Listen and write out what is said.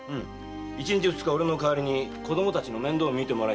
一日二日俺の代わりに子供達の面倒を見てもらいたい。